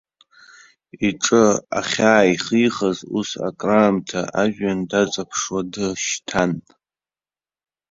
Иҿы ахьааихихыз, ус акраамҭа ажәҩан даҵаԥшуа дышьҭан.